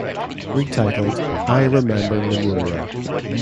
Retitled I Remember Lemuria!